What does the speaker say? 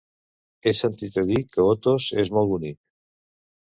He sentit a dir que Otos és molt bonic.